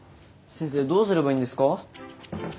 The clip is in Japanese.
先生どうすればいいんですか？